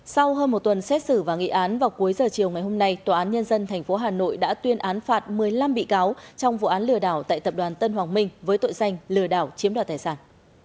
sau hơn một tuần xét xử và nghị án vào cuối giờ chiều ngày hôm nay tòa án nhân dân tp hà nội đã tuyên án phạt một mươi năm bị cáo trong vụ án lừa đảo tại tập đoàn tân hoàng minh với tội danh lừa đảo chiếm đoạt tài sản